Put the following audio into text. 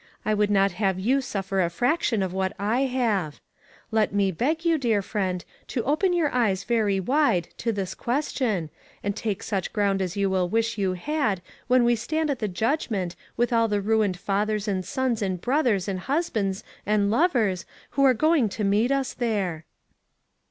I would not have you suffer a fraction of what I have. Let me beg 4/2 ONE COMMONPLACE DAY. you, dear friend, to open your eyes very wide tof this question, and take such ground as you will wish you had, when we stand at the judgment, with all the ruined fathers and sons and brothers and husbands and lovers, who are going to meet us there."